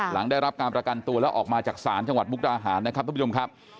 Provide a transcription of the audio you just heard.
หลังได้รับการประกันตัวแล้วออกมาจากศาลจังหวัดมุกดาหารนะครับทุกผู้ชมครับ